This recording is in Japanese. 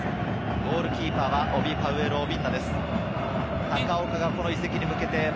ゴールキーパーは、オビ・パウエル・オビンナです。